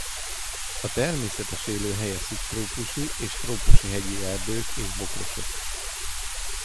A természetes élőhelye szubtrópusi és trópusi hegyi erdők és bokrosok.